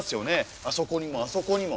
あそこにもあそこにも。